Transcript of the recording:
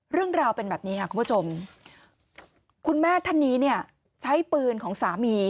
เรื่องราวเป็นแบบนี้ค่ะคุณผู้ชมคุณแม่ท่านนี้เนี่ยใช้ปืนของสามี